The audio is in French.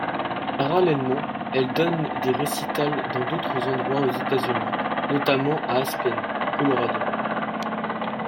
Parallèlement, elle donne des récitals dans d'autres endroits aux États-Unis, notamment à Aspen, Colorado.